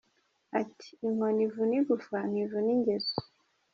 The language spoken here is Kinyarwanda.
Ati “Inkoni ivuna igufa ntivuna ingeso.